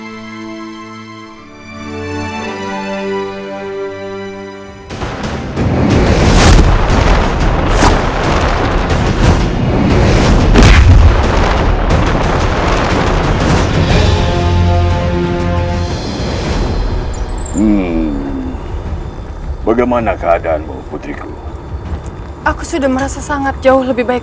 hai hmm bagaimana keadaanmu putriku aku sudah merasa sangat jauh lebih baik